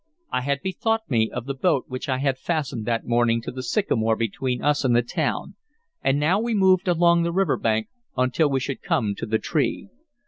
I had bethought me of the boat which I had fastened that morning to the sycamore between us and the town, and now we moved along the river bank until we should come to the tree.